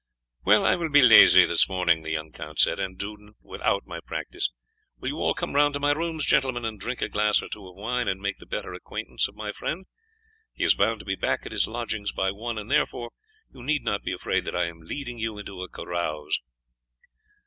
"Well, I will be lazy this morning," the young count said, "and do without my practice. Will you all come round to my rooms, gentlemen, and drink a glass or two of wine and make the better acquaintance of my friend? He is bound to be back at his lodgings by one, and therefore you need not be afraid that I am leading you into a carouse."